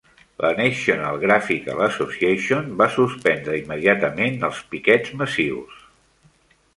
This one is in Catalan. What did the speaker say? La National Graphical Association va suspendre immediatament els piquetes massius.